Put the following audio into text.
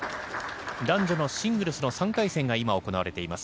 男女のシングルスの３回戦が今行われています。